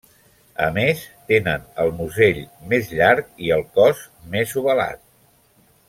A més, tenen el musell més llarg i el cos més ovalat.